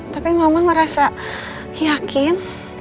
tapi mama merasa yakin